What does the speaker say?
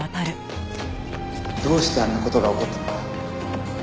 「どうしてあんな事が起こったのか」